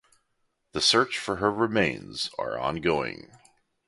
The search for her remains are ongoing.